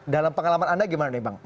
dalam pengalaman anda gimana nih bang